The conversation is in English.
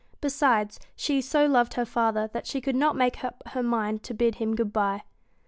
Besides, she so loved her father that she could not make up her mind to bid him good bye.